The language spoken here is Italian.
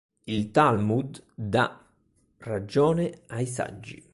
Il Talmud dà ragione ai saggi.